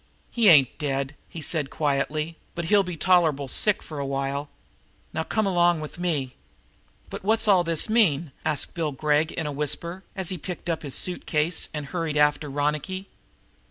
"He ain't dead," he said quietly, "but he'll be tolerably sick for a while. Now come along with me." "But what's all this mean?" asked Bill Gregg in a whisper, as he picked up his suit case and hurried after Ronicky.